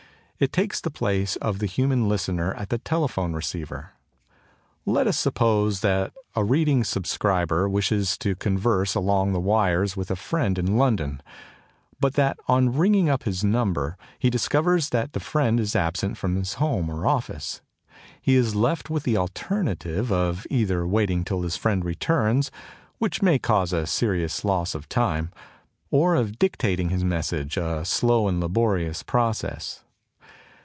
It takes the place of the human listener at the telephone receiver. Let us suppose that a Reading subscriber wishes to converse along the wires with a friend in London, but that on ringing up his number he discovers that the friend is absent from his home or office. He is left with the alternative of either waiting till his friend returns, which may cause a serious loss of time, or of dictating his message, a slow and laborious process.